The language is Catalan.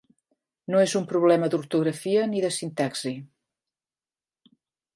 No és un problema d'ortografia ni de sintaxi.